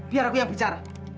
biar aku yang bicara